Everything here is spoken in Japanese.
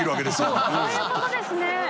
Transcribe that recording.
そういうことですね！